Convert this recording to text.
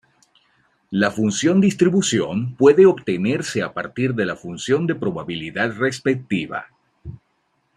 La función distribución puede obtenerse a partir de la función de probabilidad respectiva.